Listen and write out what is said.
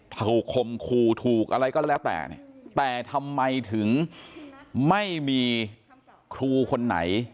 คมครูถูกอะไรก็แล้วแต่เนี่ยแต่ทำไมถึงไม่มีครูคนไหน